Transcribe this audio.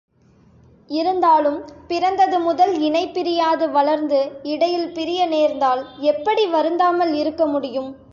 இருந்தாலும் பிறந்தது முதல் இணை பிரியாது வளர்ந்து, இடையில் பிரிய நேர்ந்தால் எப்படி வருந்தாமல் இருக்க முடியும்?